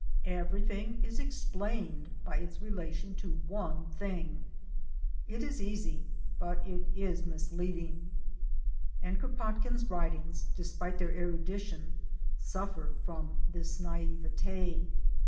Everything is explained by its relation to one thing. It is easy, but it is misleading. And Kropotkin's writings, despite their erudition, suffer from this naivete'.